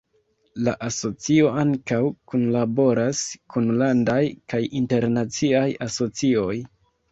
La asocio ankaŭ kunlaboras kun landaj kaj internaciaj asocioj.